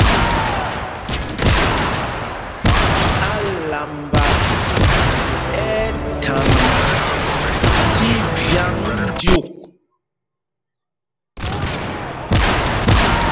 Álamba ɛ́ ɛ́ thaŋ tí vyǎŋ dyûk.